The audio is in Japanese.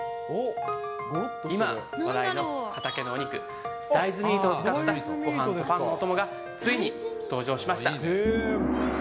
今、話題の畑のお肉、大豆ミートを使ったごはんとパンのお供がついに登場しました。